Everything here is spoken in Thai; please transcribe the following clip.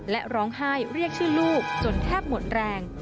และร้องไห้เรียกชื่อลูกจนแทบหมดแรง